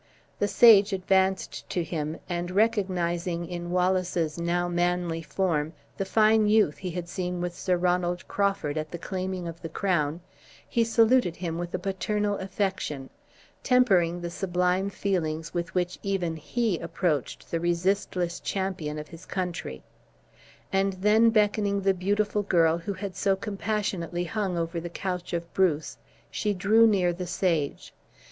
The sage advanced to him, and recognizing in Wallace's now manly form the fine youth he had seen with Sir Ronald Crawford at the claiming of the crown, he saluted him with a paternal affection, tempering the sublime feelings with which even he approached the resistless champion of his country, and then beckoning the beautiful girl who had so compassionately hung over the couch of Bruce, she drew near the sage.